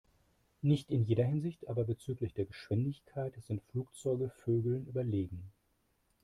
Nicht in jeder Hinsicht, aber bezüglich der Geschwindigkeit sind Flugzeuge Vögeln überlegen.